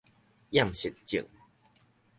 厭食症